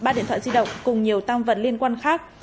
ba điện thoại di động cùng nhiều tăng vật liên quan khác